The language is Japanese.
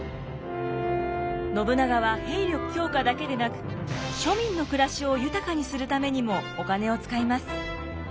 信長は兵力強化だけでなく庶民の暮らしを豊かにするためにもお金を使います。